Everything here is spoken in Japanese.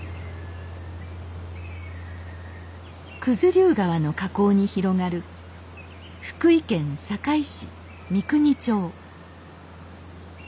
九頭竜川の河口に広がる福井県坂井市三国町